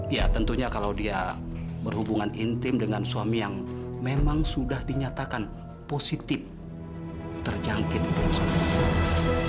ya tentunya kalau dia berhubungan intim dengan suami yang memang sudah dinyatakan positif terjangkit virus corona